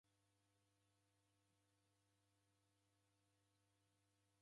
Kwakunde kuririkanyo kwa ilaghoki?